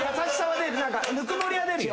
ぬくもりは出るよ。